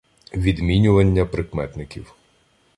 Відмінювання прикметників